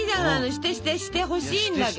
してしてしてほしいんだけど！